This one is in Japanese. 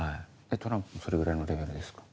トランプもそれぐらいのレベルですか？